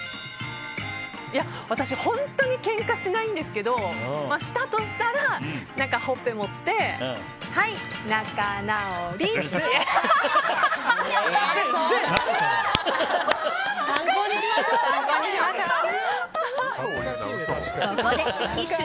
私、本当にけんかしないんですけどしたとしたら、ほっぺ持ってはい仲直りって。